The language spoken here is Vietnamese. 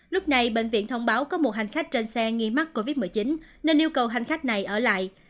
lúc này bệnh viện thông báo có một hành khách trên xe nghi mắc covid một mươi chín nên yêu cầu hành khách này ở lại